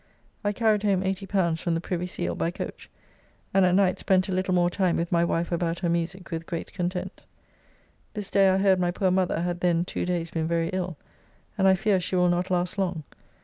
I carried home L80 from the Privy Seal, by coach, and at night spent a little more time with my wife about her music with great content. This day I heard my poor mother had then two days been very ill, and I fear she will not last long.